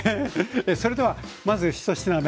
それではまず１品目